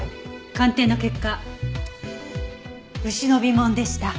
鑑定の結果牛の鼻紋でした。